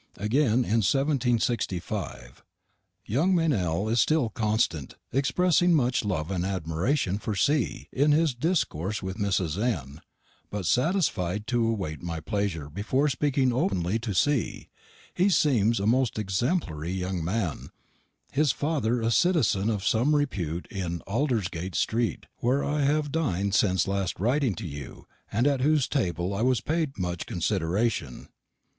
Again, in 1765: "Young Meynell is still constant, expressing much love and admirashun for C. in his discorse with Mrs. N., butt sattisfide to wait my plesure before spekeing oppenly to C. He semes a most exempelry young man; his father a cittizen of some repewt in Aldersgait street, ware I have din'd since last riting to you, and at hoose tabel I was paid much considerashun.